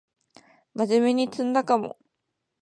まじめに詰んだかも